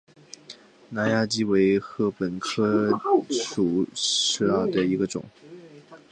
南亚稷为禾本科黍属下的一个种。